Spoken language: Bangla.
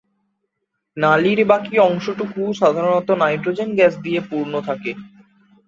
নালীর বাকী অংশটুকু সাধারণত নাইট্রোজেন গ্যাস দিয়ে পূর্ণ থাকে।